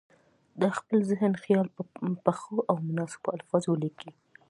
د خپل ذهن خیال په ښو او مناسبو الفاظو ولیکي.